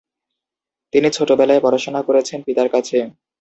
তিনি ছোটবেলায় পড়াশোনা করেছেন পিতার কাছে।